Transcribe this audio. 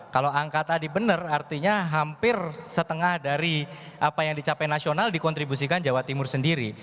kalau angka tadi benar artinya hampir setengah dari apa yang dicapai nasional dikontribusikan jawa timur sendiri